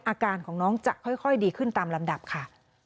อาการของน้องจะค่อยดีขึ้นตามลำดับค่ะ